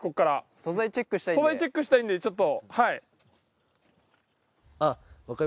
素材チェックしたいんでちょっとはい。